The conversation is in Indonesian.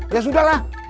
ya sudah lah